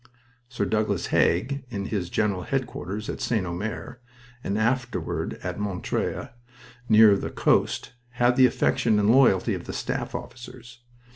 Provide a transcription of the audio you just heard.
Sir Douglas Haig, in his general headquarters at St. Omer, and afterward at Montreuil, near the coast, had the affection and loyalty of the staff officers.